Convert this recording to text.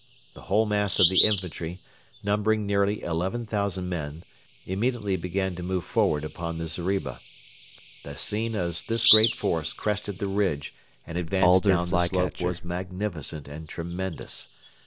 The whole mass of the infantry, numbering nearly eleven thousand men, immediately began to move forward upon the zeriba. The scene as this great force crested the ridge and advanced down the slope was magnificent and tremendous.